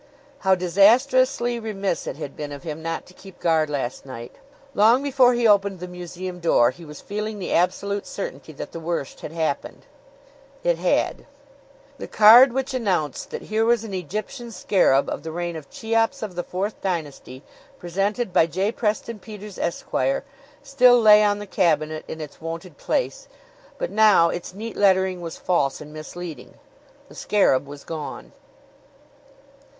How disastrously remiss it had been of him not to keep guard last night! Long before he opened the museum door he was feeling the absolute certainty that the worst had happened. It had. The card which announced that here was an Egyptian scarab of the reign of Cheops of the Fourth Dynasty, presented by J. Preston Peters, Esquire, still lay on the cabinet in its wonted place; but now its neat lettering was false and misleading. The scarab was gone.